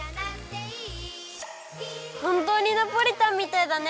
ほんとうにナポリタンみたいだね！